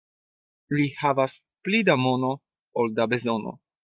Li havas pli da mono ol da bezono.